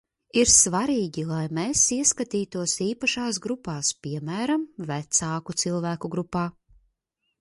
Ir svarīgi, lai mēs ieskatītos īpašās grupās, piemēram, vecāku cilvēku grupā.